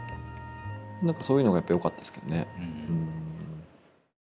なんかそういうのがやっぱよかったっすけどね。